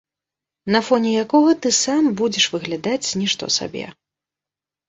На фоне якога ты сам будзеш выглядаць нішто сабе.